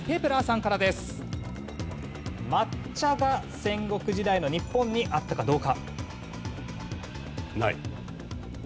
機関車が戦国時代の日本にあったかどうか？